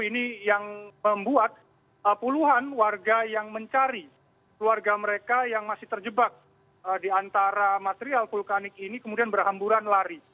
ini yang membuat puluhan warga yang mencari keluarga mereka yang masih terjebak di antara material vulkanik ini kemudian berhamburan lari